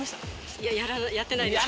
いややってないです